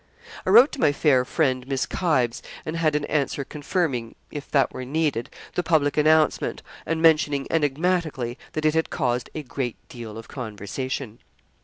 I wrote to my fair friend, Miss Kybes, and had an answer confirming, if that were needed, the public announcement, and mentioning enigmatically, that it had caused 'a great deal of conversation.'